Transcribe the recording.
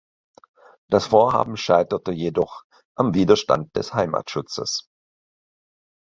Das Vorhaben scheiterte jedoch am Widerstand des Heimatschutzes.